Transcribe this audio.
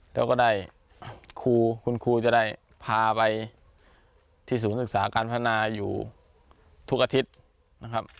แล้วก็ได้ครูคุณครูจะได้พาไปที่ศูนย์ศึกษาการพัฒนาอยู่ทุกอาทิตย์นะครับ